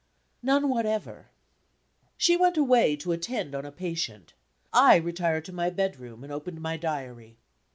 "None whatever." She went away to attend on a patient. I retired to my bedroom, and opened my Diary.